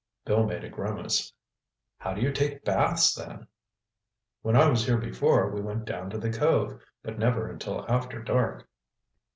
Bill made a grimace. "How do you take baths then?" "When I was here before we went down to the cove—but never until after dark."